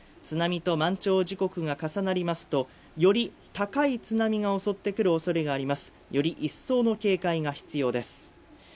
津波と満潮時刻が重なりますと、より高い津波が襲ってくる恐れがありますより一層の警戒が必要です。